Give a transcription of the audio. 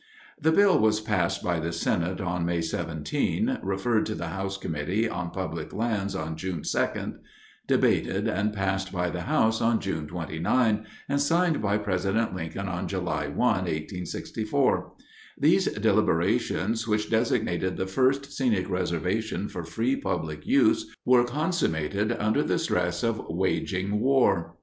The bill was passed by the Senate on May 17, referred to the House Committee on Public Lands on June 2, debated and passed by the House on June 29, and signed by President Lincoln on July 1, 1864. These deliberations, which designated the first scenic reservation for free public use, were consummated under the stress of waging war.